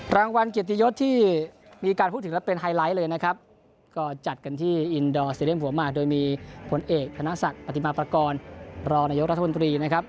รางวัลเกียรติยศที่มีการพูดถึงและเป็นไฮไลท์เลยนะครับก็จัดกันที่อินดอร์ซีเรียมหัวมากโดยมีผลเอกธนศักดิ์ปฏิมาปากรรองนายกรัฐมนตรีนะครับ